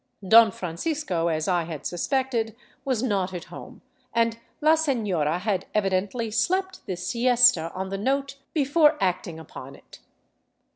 Don Francisco, as I had suspected, was not at home, and la sefiora had evidently slept the siesta on the note before acting upon it.